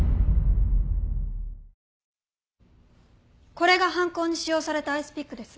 これが犯行に使用されたアイスピックです。